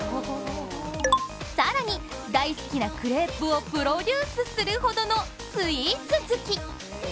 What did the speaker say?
更に大好きなクレープをプロデュースするほどのスイーツ好き。